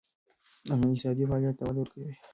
امنیت اقتصادي فعالیت ته وده ورکوي.